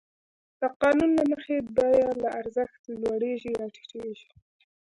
د قانون له مخې بیه له ارزښت لوړېږي یا ټیټېږي